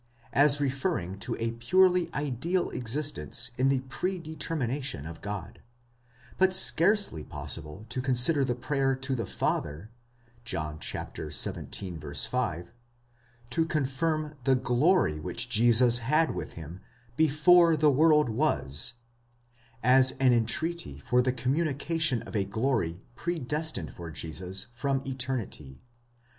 58), as referring to a purely ideal existence in the pre determination of God; but scarcely possible to consider the prayer to the Father (John xvii. 5) to confirm the δόξα (g/ory) which Jesus had with Him Jdefore the world was, πρὸ τοῦ τὸν κόσμον εἶναι, as an entreaty for the communication of a glory predestined for Jesus from eternity.